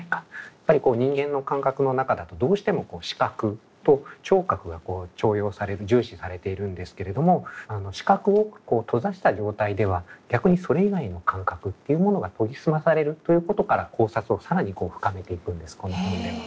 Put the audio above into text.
やっぱり人間の感覚の中だとどうしても視覚と聴覚が重用される重視されているんですけれども視覚を閉ざした状態では逆にそれ以外の感覚っていうものが研ぎ澄まされるということから考察を更に深めていくんですこの本では。